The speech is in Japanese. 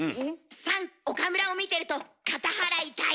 ３岡村を見てると片腹痛い。